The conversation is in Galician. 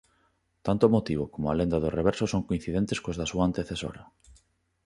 Tanto o motivo como a lenda do reverso son coincidentes cos da súa antecesora.